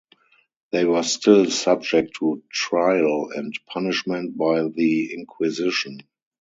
They were still subject to trial and punishment by the inquisition.